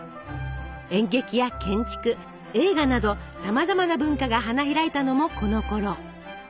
演劇や建築映画などさまざまな文化が花開いたのもこのころ。